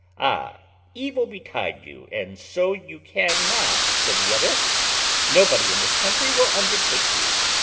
"Ah! evil betide you, and so you can now," said the other: "nobody in this country will undertake you."